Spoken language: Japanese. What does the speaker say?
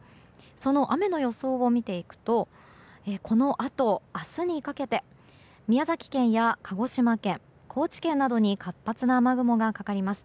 その雨の予想を見ていくとこのあと明日にかけて宮崎県や鹿児島県高知県などに活発な雨雲がかかります。